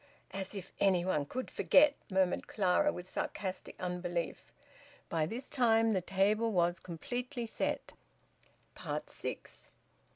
"As if anyone could forget!" murmured Clara, with sarcastic unbelief. By this time the table was completely set. SIX.